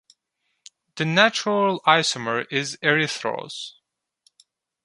The natural isomer is -erythrose.